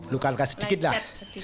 luka luka sedikit lah